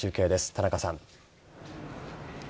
田中さん。